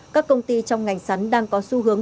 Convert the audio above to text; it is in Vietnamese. các công ty trong ngành sắn đang có xu hướng